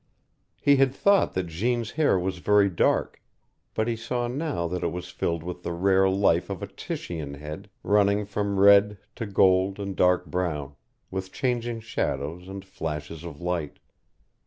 He had thought that Jeanne's hair was very dark, but he saw now that it was filled with the rare life of a Titian head, running from red to gold and dark brown, with changing shadows and flashes of light.